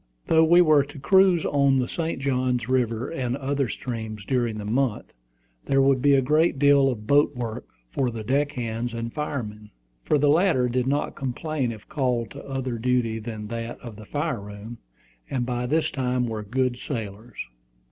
Though we were to cruise on the St. Johns River and other streams during the month, there would be a great deal of boat work for the deck hands and firemen, for the latter did not complain if called to other duty than that of the fire room, and by this time were good sailors.